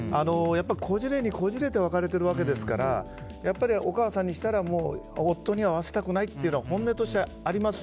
こじれにこじれて別れているわけですからお母さんにしたら夫に会わせたくないというのは本音としてあります